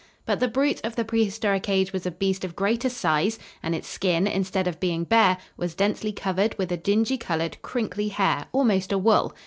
But the brute of the prehistoric age was a beast of greater size, and its skin, instead of being bare, was densely covered with a dingy colored, crinkly hair, almost a wool.